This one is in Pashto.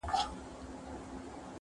ډېر نا اهله بد کرداره او بد خوی ؤ،